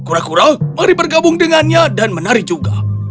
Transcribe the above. kura kura mari bergabung dengannya dan menari juga